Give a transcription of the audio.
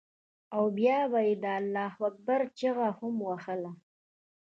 او بيا به یې د الله اکبر چیغه هم وهله.